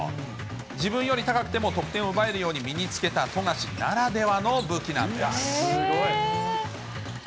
自分より高くても得点を奪えるように身につけた富樫ならではの武すごい。